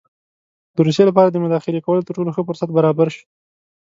د روسیې لپاره د مداخلې کولو تر ټولو ښه فرصت برابر شو.